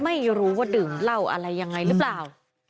ไม่รู้ว่าดื่มเหล้าอะไรยังไงหรือเปล่า